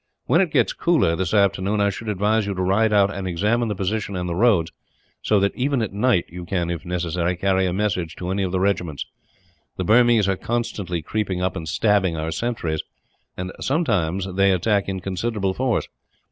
When it gets cooler, this afternoon, I should advise you to ride out and examine the position and the roads; so that even at night you can, if necessary, carry a message to any of the regiments. The Burmese are constantly creeping up and stabbing our sentries, and sometimes they attack in considerable force.